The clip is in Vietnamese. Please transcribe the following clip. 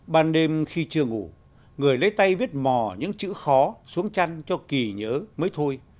ban đêm khi chưa ngủ người lấy tay viết mò những chữ khó xuống chăn cho kỳ nhớ mới thôi